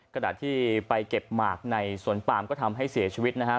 ขณะที่ไปเก็บหมากในสวนปามก็ทำให้เสียชีวิตนะฮะ